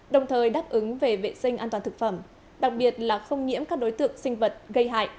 đồng thời đáp ứng về vệ sinh an toàn thực phẩm đặc biệt là không nhiễm các đối tượng sinh vật gây hại